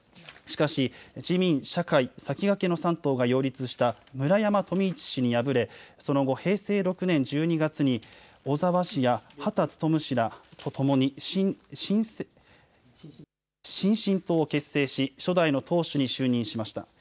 しかし自民、社会、さきがけの３党が擁立した村山富市氏に敗れその後、平成６年１２月に小沢氏や羽田孜氏らとともに新進党を結成し、初代の党首に就任しました。